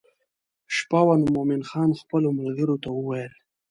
شپه وه نو مومن خان خپلو ملګرو ته وویل.